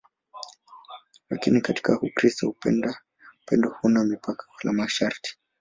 Lakini katika Ukristo upendo hauna mipaka wala masharti.